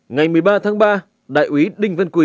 ngày một mươi ba tháng ba